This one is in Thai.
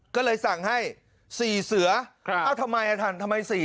ก็เลยสั่งให้๔เสือเอ้าทำไมอะท่านทำไม๔ทำไมไม่๕